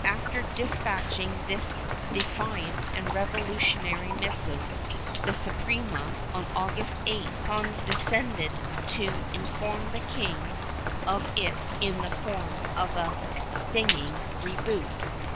After despatching this defiant and revo lutionary missive, the Suprema, on August 8th, condescended to inform the king of it in the form of a stinging rebuke.